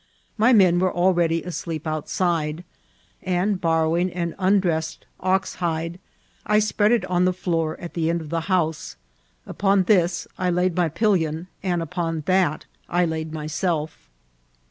My men were already asleep outside ; and borrowing an undressed ox hide, I spread it on the floor at the end of the house ; upon this I laid my pellon, and upon that I laid myself.